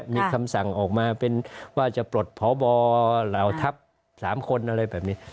มีคำสั่งออกมาเป็นว่าจะปลดพบเหล่าทัพ๓คนอะไรแบบนี้